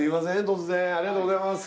突然ありがとうございます